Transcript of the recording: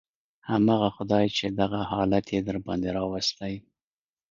همغه خداى چې دغه حالت يې درباندې راوستى.